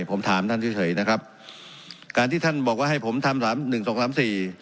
ผมถามท่านเฉยนะครับการที่ท่านบอกว่าให้ผมทำสามหนึ่งสองสามสี่